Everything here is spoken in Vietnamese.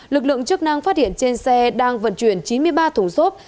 lực lượng chức năng phát hiện trên xe đang vận chuyển chín mươi ba thùng xốp